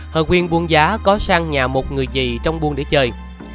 hợp quyền buôn giá có sang nhà một người dì trong buôn để chơi